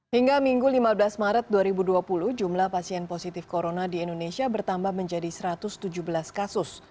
hingga minggu lima belas maret dua ribu dua puluh jumlah pasien positif corona di indonesia bertambah menjadi satu ratus tujuh belas kasus